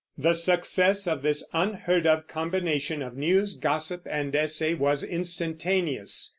The success of this unheard of combination of news, gossip, and essay was instantaneous.